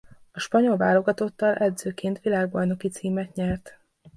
A spanyol válogatottal edzőként világbajnoki címet nyert.